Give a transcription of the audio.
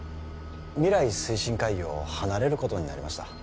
未来推進会議を離れることになりました